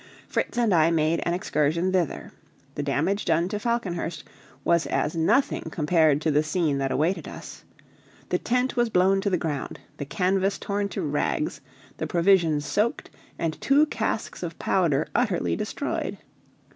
Fritz and I made an excursion thither. The damage done to Falconhurst was as nothing compared to the scene that awaited us. The tent was blown to the ground, the canvas torn to rags, the provisions soaked, and two casks of powder utterly destroyed.